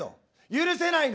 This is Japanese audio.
許せないの？